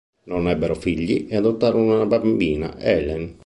Non ebbero figli e adottarono una bambina, Ellen.